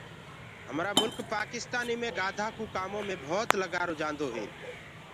همرآ مُلڪ پاڪِستآنيٚ مي گآڌآ ڪو ڪآمو مي ڀوتَ لگآرو جآنٚدو هي